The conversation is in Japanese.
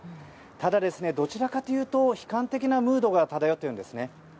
ただ、どちらかというと悲観的なムードが漂っているんですね。